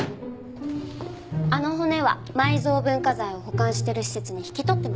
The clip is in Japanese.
あの骨は埋蔵文化財を保管してる施設に引き取ってもらいました。